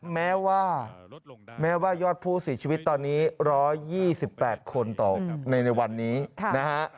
แม้ว่ายอดภูมิสิทธิ์ชีวิตตอนนี้๑๒๘คนตกในวันนี้นะฮะ